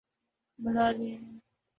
بڑھا دیے ہیں